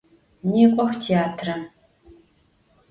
Nêk'ox têatrem!